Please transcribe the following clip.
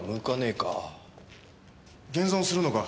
現存するのか？